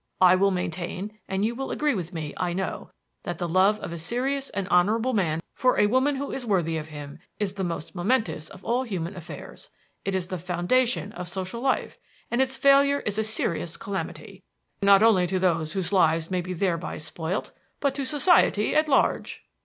I will maintain, and you will agree with me, I know, that the love of a serious and honorable man for a woman who is worthy of him is the most momentous of all human affairs. It is the foundation of social life, and its failure is a serious calamity, not only to those whose lives may be thereby spoilt, but to society at large."